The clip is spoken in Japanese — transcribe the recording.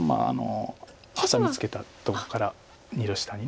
ハサミツケたとこから２路下に。